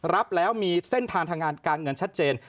รับแล้วมีเส้นทางทางงานการเงินชัดเจน